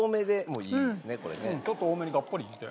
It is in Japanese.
ちょっと多めにがっぽりいって。